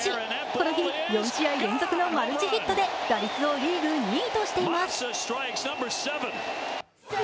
この日、４試合連続のマルチヒットで打率をリーグ２位としています。